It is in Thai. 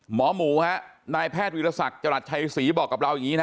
หมอหมูนะครับนายแพทย์ศักดิ์ธรรมัสจรัทย์ชัยศรีบอกกับเราอย่างนี้นะฮะ